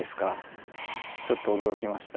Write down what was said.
ちょっと驚きました。